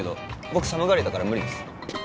僕寒がりだから無理です